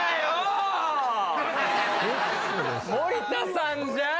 森田さんじゃん。